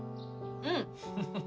うん！